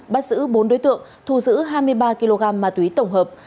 bắt giữ bốn đối tượng thu giữ hai mươi ba kg ma túy tổng hợp